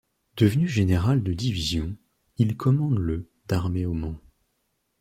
Devenu général de division, il commande le d'armée au Mans.